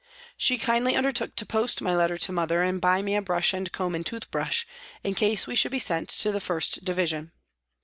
She kindly undertook to post my letter to mother and buy me a brush and comb and toothbrush in case we should be sent to the 1st Division.